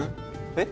えっ？